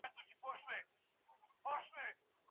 د عائشې سره سيالي د رسول الله شخصيت کم نه کړ.